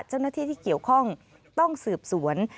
เจ้าหน้าที่ที่เกี่ยวข้องต้องสืบสวน